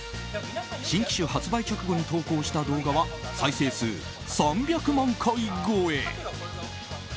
新機種発売直後に投稿した動画は再生数３００万回超え。